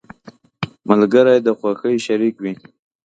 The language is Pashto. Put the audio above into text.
• ملګری د خوښۍ شریك وي.